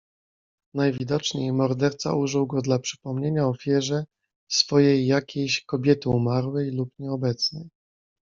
"Najwidoczniej morderca użył go dla przypomnienia ofierze swojej jakiejś kobiety umarłej lub nieobecnej."